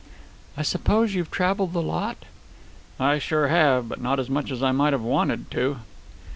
"I suppose you've traveled a lot." "I sure have, but not as much as I might have wanted to."